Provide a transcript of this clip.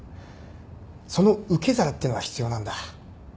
その受け皿ってのは必要なんだ。